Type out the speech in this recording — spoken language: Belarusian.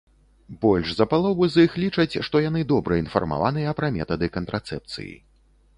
Больш за палову з іх лічаць, што яны добра інфармаваныя пра метады кантрацэпцыі.